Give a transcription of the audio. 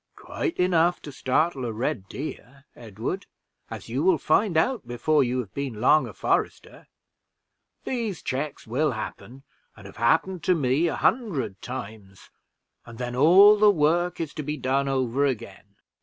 "Quite enough to startle a red deer, Edward, as you will find out before you have been long a forester. These checks will happen, and have happened to me a hundred times, and then all the work is to be done over again.